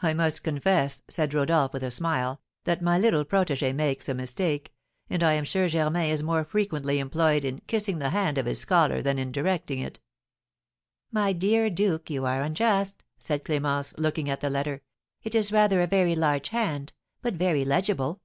"I must confess," said Rodolph, with a smile, "that my little protégée makes a mistake, and I am sure Germain is more frequently employed in kissing the hand of his scholar than in directing it." "My dear duke, you are unjust," said Clémence, looking at the letter; "it is rather a very large hand, but very legible."